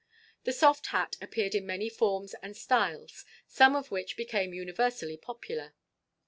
The soft hat appeared in many forms and styles, some of which became universally popular.